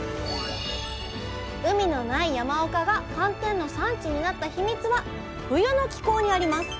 海のない山岡が寒天の産地になったヒミツは冬の気候にあります。